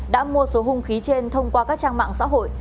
đã mua số hung khí trên thông qua các trang mạng xã hội